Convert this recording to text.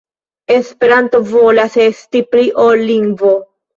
Esperanto volas esti pli ol lingvo.